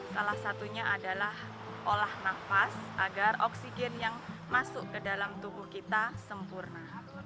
salah satunya adalah olah nafas agar oksigen yang masuk ke dalam tubuh kita sempurna